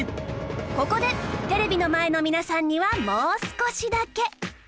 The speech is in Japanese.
ここでテレビの前の皆さんにはもう少しだけ